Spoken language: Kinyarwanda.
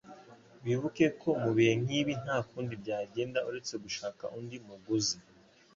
Wibuke ko, mubihe nkibi, nta kundi byagenda uretse gushaka undi muguzi.